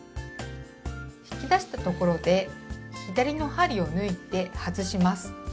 引き出したところで左の針を抜いて外します。